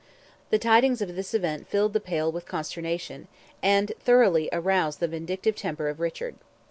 The tidings of this event filled "the Pale" with consternation, and thoroughly aroused the vindictive temper of Richard.